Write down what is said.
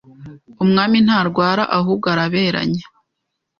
Umwami Ntarwara ahubwo Araberanya